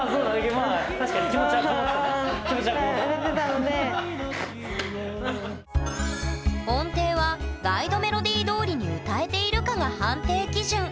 まあ確かに音程はガイドメロディーどおりに歌えているかが判定基準。